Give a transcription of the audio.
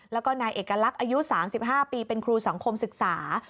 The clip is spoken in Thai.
แล้วก็นายเอกลักษณ์อายุ๓๕ปีเป็นครูสังคมศึกษา